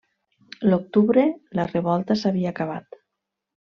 L'octubre la revolta s'havia acabat.